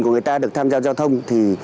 của người ta được tham gia giao thông thì